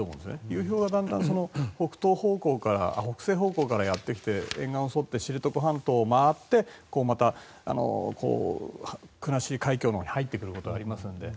流氷がだんだん北西方向からやってきて沿岸に沿って知床半島を回ってまた国後海峡のほうに入っていくことができるので。